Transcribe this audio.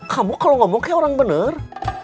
kamu kalau ngomong kayak orang bener